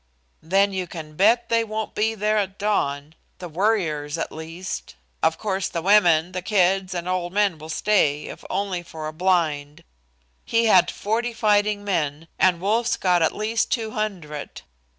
"Then you can bet they won't be there at dawn the warriors at least. Of course the women, the kids and old men will stay if only for a blind. He had forty fighting men, and Wolf's got at least two hundred.